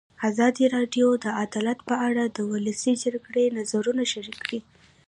ازادي راډیو د عدالت په اړه د ولسي جرګې نظرونه شریک کړي.